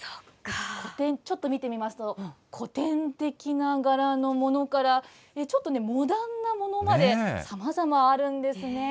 古典、ちょっと見てみますと、古典的な柄のものから、ちょっとね、モダンなものまで、さまざまあるんですね。